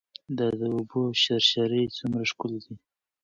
دا د اوبو شرشرې څومره ښکلې دي.